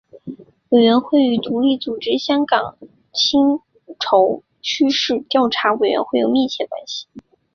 委员会与独立组织香港薪酬趋势调查委员会有密切联系。